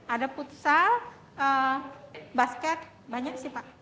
ada futsal basket banyak sih pak